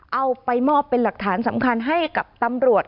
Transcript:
เอาไปมอบเป็นหลักฐานสำคัญให้กับตำรวจ